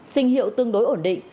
sinh hiệu tương đối ổn định